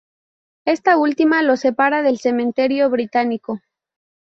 Esta última lo separa del Cementerio Británico.